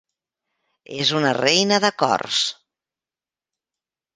És una reina de cors.